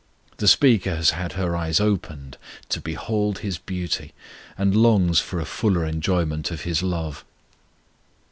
The speaker has had her eyes opened to behold His beauty, and longs for a fuller enjoyment of His love.